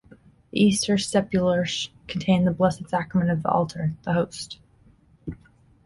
The Easter Sepulchre contained the Blessed Sacrament of the altar, the Host.